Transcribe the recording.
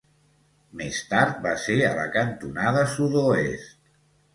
Més tard va ser a la cantonada sud-oest.